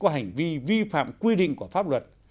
có hành vi vi phạm quy định của pháp luật